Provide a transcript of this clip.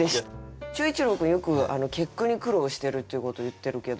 秀一郎君よく結句に苦労してるっていうこと言ってるけど。